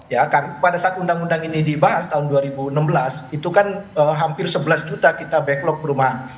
ya kan pada saat undang undang ini dibahas tahun dua ribu enam belas itu kan hampir sebelas juta kita backlog perumahan